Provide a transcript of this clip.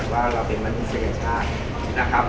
เพราะว่าเนื่องจากว่าเราเป็นมันทุกษา